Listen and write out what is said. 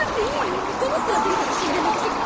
お前どの面下げて私に連絡してきた？